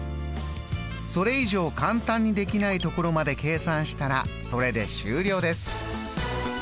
それ以上簡単にできないところまで計算したらそれで終了です！